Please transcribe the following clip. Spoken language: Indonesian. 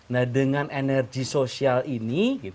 nah dengan energi sosial ini